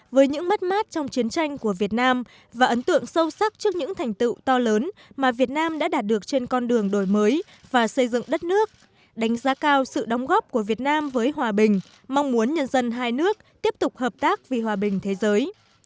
với những mất mát trong chiến tranh của việt nam và ấn tượng sâu sắc trước những thành tựu to lớn mà việt nam đã đạt được trên con đường đổi mới và xây dựng đất nước đánh giá cao sự đóng góp của việt nam với hòa bình mong muốn nhân dân hai nước tiếp tục hợp tác vì hòa bình thế giới